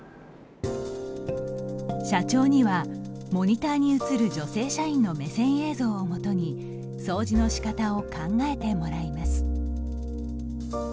社長にはモニターに映る女性社員の目線映像を基に掃除の仕方を考えてもらいます。